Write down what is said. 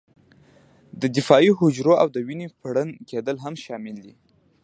د دفاعي حجرو او د وینې پړن کېدل هم شامل دي.